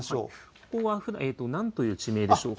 ここはなんという地名でしょうか。